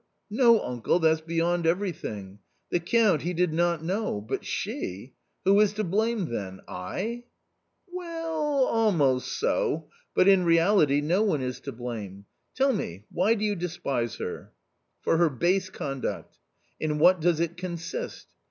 no, uncle, that's beyond everything ! The Count, he did not know ! but she ! Who is to blame then ? I ?"" Well, almost so, but in reality no one is to blame. Tell me, why do you despise her?" " For her base conduct." " In what does it consist?"